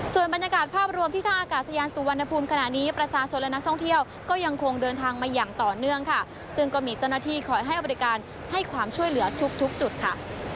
ส่วนบรรยากาศภาพรวมที่ท่าอากาศยานสุวรรณภูมิขณะนี้ประชาชนและนักท่องเที่ยวก็ยังคงเดินทางมาอย่างต่อเนื่องค่ะซึ่งก็มีเจ้าหน้าที่คอยให้บริการให้ความช่วยเหลือทุกทุกจุดค่ะ